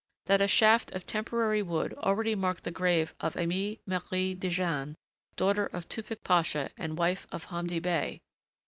That a shaft of temporary wood already marked the grave of Aimée Marie Dejane, daughter of Tewfick Pasha and wife of Hamdi Bey....